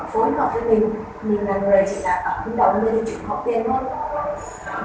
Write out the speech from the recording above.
nếu mà nó mà xác định ra ngoài được thế là phối hợp với mình